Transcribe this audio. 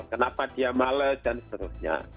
kenapa dia males dan seterusnya